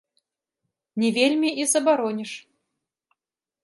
Не вельмі і забароніш.